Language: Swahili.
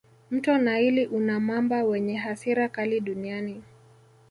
Mto naili una mamba wenye hasira kali duniani